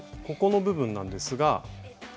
ここの部分なんですが。